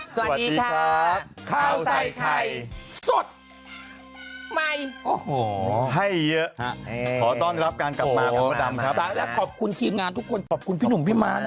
สวัสดีครับข้าวใส่ไข่สดใหม่โอ้โหให้เยอะฮะขอต้อนรับการกลับมาครับมดดำครับตายแล้วขอบคุณทีมงานทุกคนขอบคุณพี่หนุ่มพี่ม้านะ